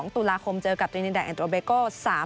๒ตุลาคมเจอกับตวินิดาแอนดรอเบโกะ